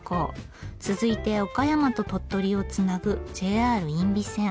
続いて岡山と鳥取をつなぐＪＲ因美線。